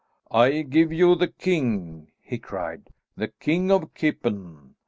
"I give you the king," he cried, "the King of Kippen.